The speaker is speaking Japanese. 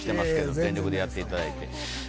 全力でやっていただいて。